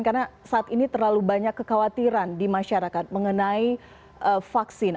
karena saat ini terlalu banyak kekhawatiran di masyarakat mengenai vaksin